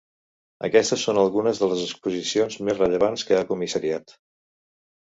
Aquestes són algunes de les exposicions més rellevants que ha comissariat.